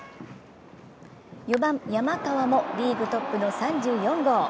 ４番・山川もリーグトップの３４号。